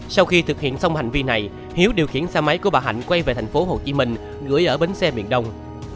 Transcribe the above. sau khi thực hiện xong hành vi này hiếu điều khiển xe máy của bà hạnh quay về thành phố hồ chí minh gửi ở bến xe miền đông